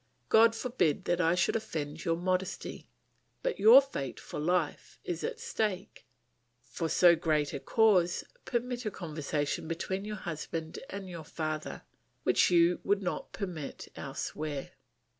God forbid that I should offend your modesty! But your fate for life is at stake. For so great a cause, permit a conversation between your husband and your father which you would not permit elsewhere.